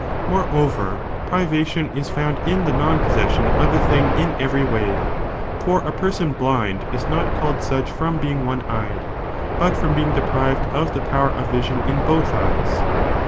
Moreover, privation is found in the non possession of a thing in every way; for a person blind is not called such from being one eyed, but from being deprived of the power of . vision in both eyes.